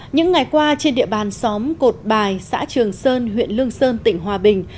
những ngày qua trên địa bàn xóm cột bài xã trường sơn huyện lương sơn tỉnh hòa bình